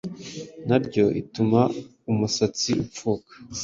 naryo ituma umusatsi upfuka,